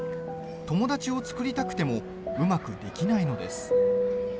友達を作りたくてもうまくできないのです。